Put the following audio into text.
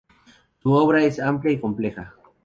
Su obra es amplia y compleja.